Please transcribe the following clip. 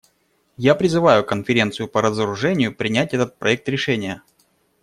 Я призываю Конференцию по разоружению принять этот проект решения.